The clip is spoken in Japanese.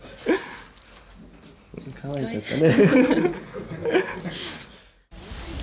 かわいかったね。